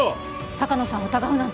鷹野さんを疑うなんて。